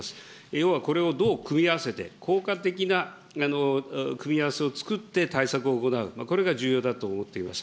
要はこれをどう組み合わせて効果的な組み合わせを作って対策を行う、これが重要だと思っています。